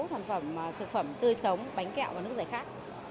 sản phẩm thực phẩm tươi sống bánh kẹo và nước giải khát